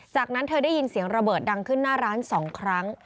จากนั้นเธอได้ยินเสียงระเบิดดังขึ้นหน้าร้าน๒ครั้ง